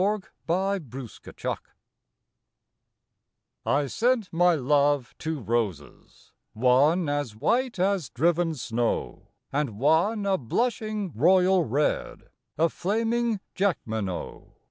The White Flag I sent my love two roses, one As white as driven snow, And one a blushing royal red, A flaming Jacqueminot.